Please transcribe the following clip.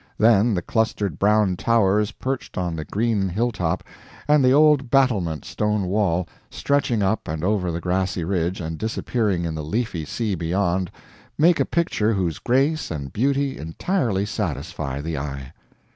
Then the clustered brown towers perched on the green hilltop, and the old battlemented stone wall, stretching up and over the grassy ridge and disappearing in the leafy sea beyond, make a picture whose grace and beauty entirely satisfy the eye.